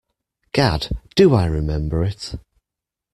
Gad, do I remember it.